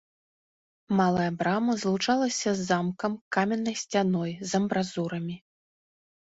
Малая брама злучалася з замкам каменнай сцяной з амбразурамі.